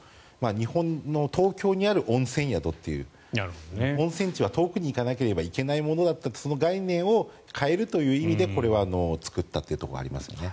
日本の東京にある温泉宿という温泉地は遠くに行かなければいけないものだったその概念を変えるという意味でこれは作ったというところがありますね。